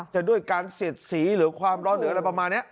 ด้วยการเสียดสีหรือความร้อนหรืออะไรประมาณนี้